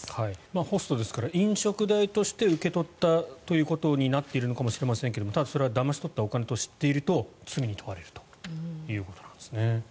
ホストですから飲食代として受け取ったということになっているかもしれませんがそれはだまし取ったお金と知っていると罪に問われるということです。